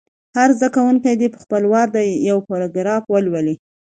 هر زده کوونکی دې په خپل وار یو پاراګراف ولولي.